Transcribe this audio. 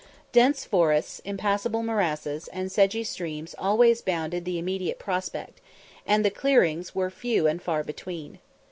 Dense forests, impassable morasses, and sedgy streams always bounded the immediate prospect, and the clearings were few and far between.